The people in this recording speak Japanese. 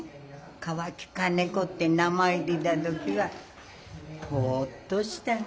川木金子って名前出た時はほっとした。